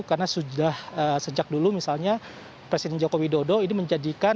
karena sudah sejak dulu misalnya presiden joko widodo ini menjadikan kekecewaan